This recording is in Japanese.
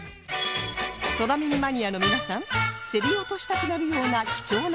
空耳マニアの皆さん競り落としたくなるような貴重なネタ